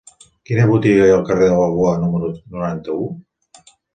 Quina botiga hi ha al carrer de Balboa número noranta-u?